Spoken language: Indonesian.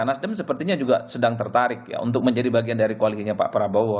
nasdem sepertinya juga sedang tertarik ya untuk menjadi bagian dari koalisinya pak prabowo